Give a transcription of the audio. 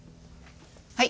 はい。